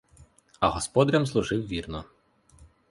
А господарям служив вірно.